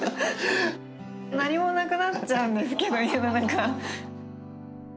何もなくなっちゃうんですけど家の中。